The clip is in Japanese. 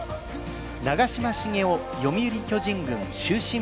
長嶋茂雄読売巨人軍終身